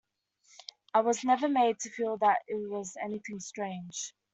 I was never made to feel that it was anything strange.